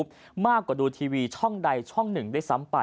บริษัทมากกว่าดูทีวีช่องใดช่องหนึ่งได้ซ้ำไป